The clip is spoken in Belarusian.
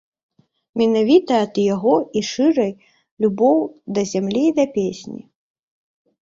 Менавіта ад яго і шчырая любоў да зямлі і да песні.